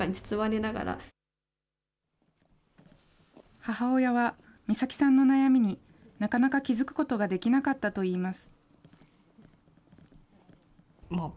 母親は、美咲さんの悩みになかなか気付くことができなかったといいます。